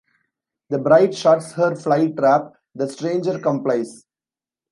The bride shuts her fly trap; the stranger complies.